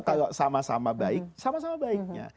kalau sama sama baik sama sama baiknya